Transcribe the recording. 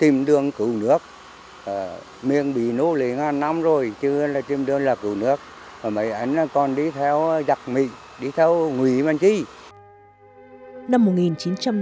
năm một nghìn chín trăm năm mươi bốn sau khi hiệp định geneva được ký kết đất nước ta bị chia cắt thành hai miền bắc nam lấy vĩ tuyến một mươi bảy sông bến hải cầu hiền lương làm giới tuyến tạm thời